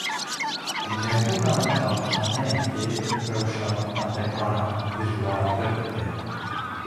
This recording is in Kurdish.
Nebûna çapxaneyekê rewşa xwendekaran dijwartir dike.